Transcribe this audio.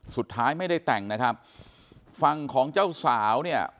สุดท้ายไม่ได้แต่งนะครับฝั่งของเจ้าสาวเนี่ย